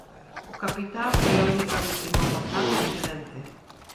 O capitán foi a única vítima mortal do accidente.